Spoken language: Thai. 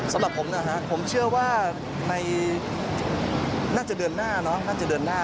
สำหรับผมเนี่ยครับผมเชื่อว่าน่าจะเดินหน้าเนาะน่าจะเดินหน้า